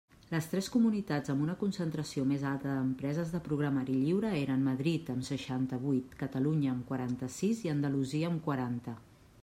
Les tres comunitats amb una concentració més alta d'empreses de programari lliure eren Madrid, amb seixanta-vuit, Catalunya, amb quaranta-sis, i Andalusia, amb quaranta.